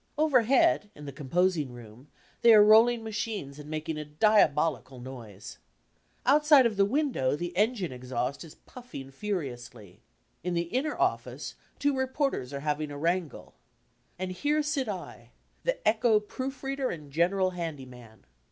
Overhead, in the composing room, they are rolling machines and making a diabolical noise. Outside of the window the engine exhaust is puffing furiously. In the inner office two reponers are having a wrangle. And here sit I the Echo proof reader and general handy man.